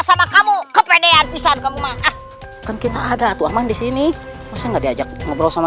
sama kamu kepedean pisang kamu mah kan kita ada tuahman di sini saya nggak diajak ngobrol sama